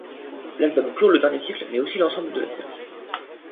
L'album clôt le dernier cycle mais aussi l'ensemble de la série.